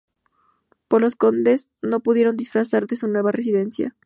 Pero los condes no pudieron disfrutar de su nueva residencia.